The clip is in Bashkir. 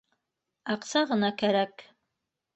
Аҡса ғына кәрәк.